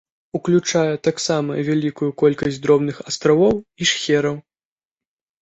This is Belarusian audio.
Уключае таксама вялікую колькасць дробных астравоў і шхераў.